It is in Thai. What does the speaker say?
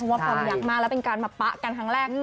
ว่าความรักมากแล้วเป็นการมาปะกันครั้งแรก